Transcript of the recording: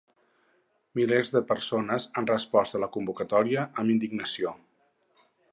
Milers de persones han respost a la convocatòria amb indignació.